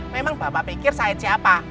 memang bapak pikir saya siapa